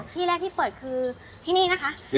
ที่แรกที่เปิดคือที่นี่นะคะ